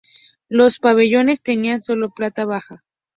Los pabellones tenían sólo planta baja.